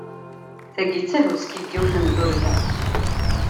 Tagi d tahuski n yiwet n turda.